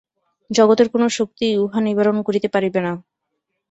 জগতের কোন শক্তিই উহা নিবারণ করিতে পারিবে না।